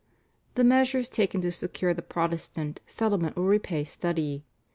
" The measures taken to secure the Protestant settlement will repay study.